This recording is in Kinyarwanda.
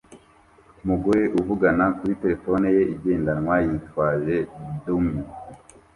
Umugore uvugana kuri terefone ye igendanwa yitwaje dummy